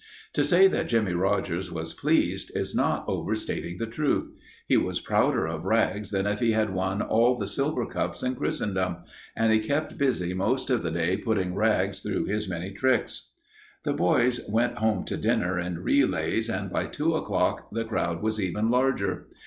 To say that Jimmie Rogers was pleased is not overstating the truth. He was prouder of Rags than if he had won all the silver cups in Christendom, and he kept busy most of the day putting Rags through his many tricks. The boys went home to dinner in relays, and by two o'clock the crowd was even larger.